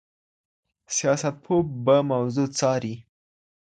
سياستپوه به موضوع څاري.